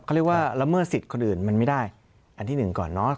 เขาเรียกว่าละเมิดสิทธิ์คนอื่นมันไม่ได้อันที่หนึ่งก่อนเนาะ